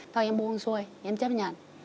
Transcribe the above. thôi em buông xuôi em chấp nhận